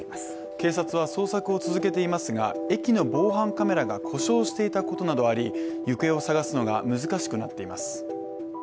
警察は捜索を続けていますが駅の防犯カメラが故障していたこともあり行方を捜すのが難しくなっています。